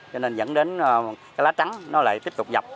cho nên dẫn đến cái lá trắng nó lại tiếp tục dập